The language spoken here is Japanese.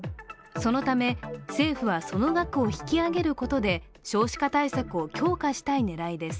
そのため政府はその額を引き上げることで少子化対策を強化したい狙いです。